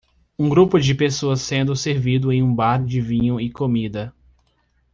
Um grupo de pessoas sendo servido em um bar de vinho e comida